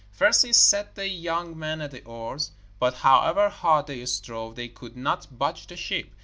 First he set the young men at the oars, but however hard they strove they could not budge the ship.